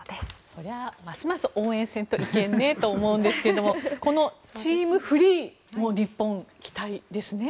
そりゃますます応援せんといけんねと思うんですがこのチーム・フリーも日本期待ですね。